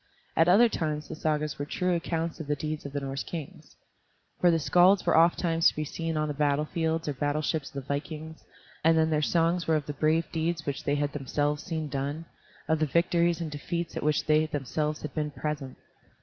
At other times the Sagas were true accounts of the deeds of the Norse kings. For the skalds were ofttimes to be seen on the battle fields or battleships of the vikings, and then their songs were of the brave deeds which they had themselves seen done, of the victories and defeats at which they themselves had been present.